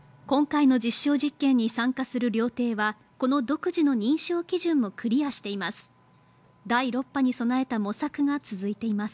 今回の実証実験に参加する料亭はこの独自の認証基準もクリアしています。